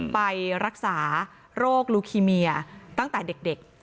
ไปรักษาโรคลูคีเมียตั้งแต่เด็ก